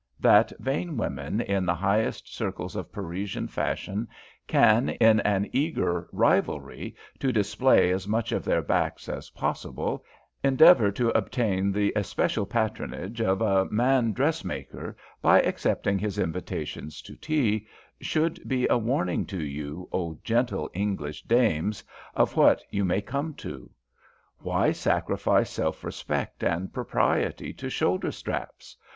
That vain women in the highest circles of Parisian fashion can, in an eager rivalry to display as much of their backs as possible, endeavour to obtain the especial patronage of a man dressmaker, by accepting his invitations to tea, should be a warning to you, O gentle English dames! of what you may come to. Why sacrifice self respect and propriety to shoulder straps?